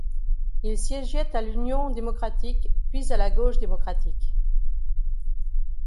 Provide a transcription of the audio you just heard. Il siégeait à l'Union démocratique puis à la gauche démocratique.